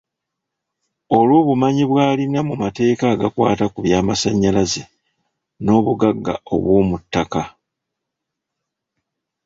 Olw’obumanyi bw’alina mu mateeka agakwata ku byamasannyalaze n’obugagga obw’omu ttaka.